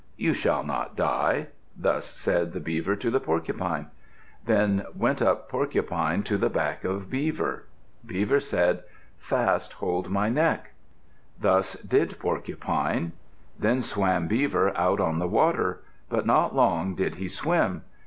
"You shall not die." Thus said the Beaver to the Porcupine. Then went up Porcupine to the back of Beaver. Beaver said, "Fast hold my neck." Thus did Porcupine. Then swam Beaver out on the water. But not long did he swim.